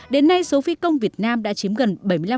đến nay số phi công việt nam đã chiếm gần bảy mươi năm